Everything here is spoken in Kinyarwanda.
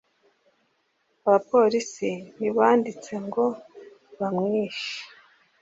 Abapolisi ntibanditse ngo bamwishe